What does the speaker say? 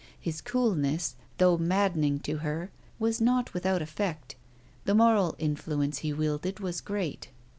His coolness, though maddening to her, was not without effect. The moral influence he wielded was great.